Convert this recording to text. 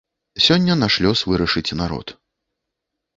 Сёння наш лёс вырашыць народ.